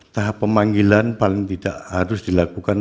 tahap pemanggilan paling tidak harus dilakukan